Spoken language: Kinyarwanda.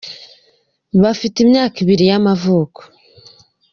bafite imyaka ibiri y'amavuko